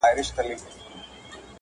د وزر او د لکۍ په ننداره سو-